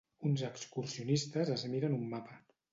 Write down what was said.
Uns excursionistes es miren un mapa.